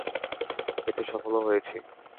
এতে সফলও হয়েছি।